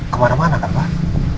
kemana mana kan pak